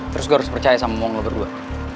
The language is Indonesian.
terus gua harus percaya sama mon lo berdua